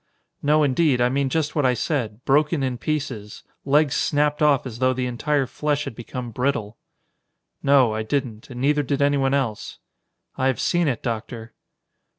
"No indeed, I mean just what I said, broken in pieces. Legs snapped off as though the entire flesh had become brittle." "No, I didn't, and neither did anyone else." "I have seen it, Doctor."